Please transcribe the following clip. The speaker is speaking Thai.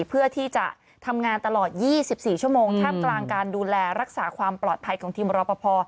เพื่อที่จะทำงานตลอด๒๔ชั่วโมงท่ามกลางการดูแลรักษาความปลอดภัยของทีมรอปภ